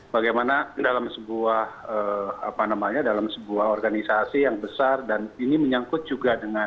bagaimana dalam sebuah apa namanya dalam sebuah organisasi yang besar dan ini menyangkut juga dengan